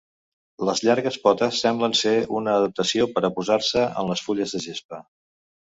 Les llargues potes semblen ser una adaptació per a posar-se en les fulles de gespa.